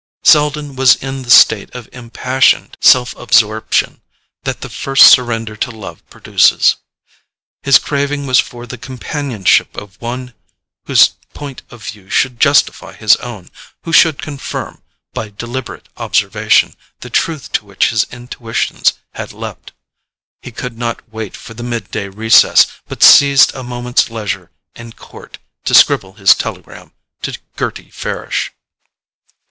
Selden was in the state of impassioned self absorption that the first surrender to love produces. His craving was for the companionship of one whose point of view should justify his own, who should confirm, by deliberate observation, the truth to which his intuitions had leaped. He could not wait for the midday recess, but seized a moment's leisure in court to scribble his telegram to Gerty Farish.